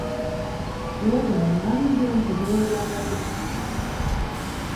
— Эргым, молан ӱдырым тыге ойгандарет?